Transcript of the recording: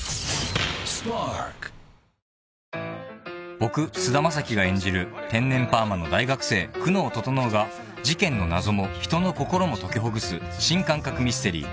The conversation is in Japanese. ［僕菅田将暉が演じる天然パーマの大学生久能整が事件の謎も人の心も解きほぐす新感覚ミステリー